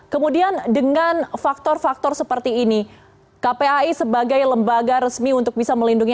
kemudian dengan faktor faktor seperti ini kpai sebagai lembaga resmi untuk bisa melindungi